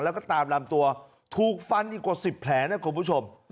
แล้วก็ตามลำตัวถูกฟันอีกกว่า๑๐แผลนะคุณผู้ชม